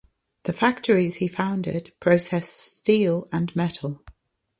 The factories he founded processed steel and metal.